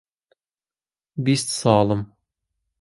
بیست ساڵم.